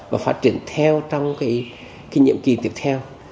và phát triển theo trong cái nhiệm kỳ tiếp theo